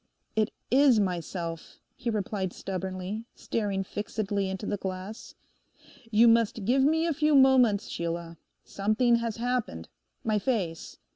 'It is myself,' he replied stubbornly, staring fixedly into the glass. You must give me a few moments, Sheila. Something has happened. My face.